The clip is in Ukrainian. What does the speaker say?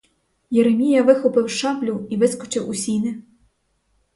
Єремія вихопив шаблю і вискочив у сіни.